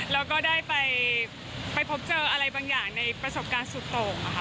แล้วก็ได้ไปพบเจออะไรบางอย่างในประสบการณ์สุดโต่งค่ะ